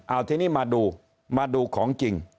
เอาทีนี้มาดูมาดูของจริง